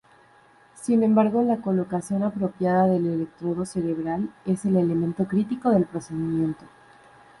Sin embargo la colocación apropiada del electrodo cerebral es el elemento critico del procedimiento.